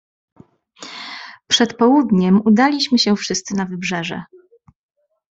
"Przed południem udaliśmy się wszyscy na wybrzeże."